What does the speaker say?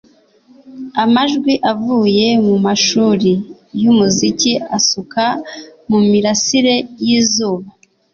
amajwi avuye mumashuri yumuziki asuka mumirasire yizuba